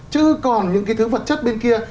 chứ còn những cái thứ vật chất bên kia